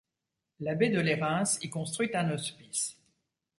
L’abbé de Lérins y construit un hospice.